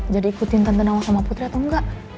jadi ikutin tante nawang sama putri atau enggak